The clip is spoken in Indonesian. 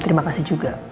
terima kasih juga